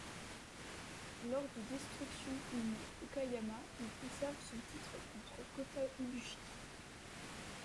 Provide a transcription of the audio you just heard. Lors de Destruction in Okayama, il conserve son titre contre Kota Ibushi.